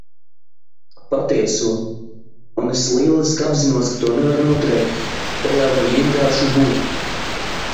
Patieso. Un es lieliski apzinos, ka to nevar noturēt, tajā var vienkārši būt.